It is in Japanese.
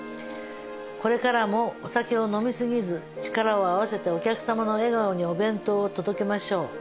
これからもお酒を飲み過ぎず力を合わせてお客様の笑顔にお弁当を届けましょう。